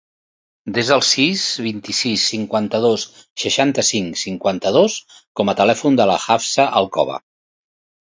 Desa el sis, vint-i-sis, cinquanta-dos, seixanta-cinc, cinquanta-dos com a telèfon de la Hafsa Alcoba.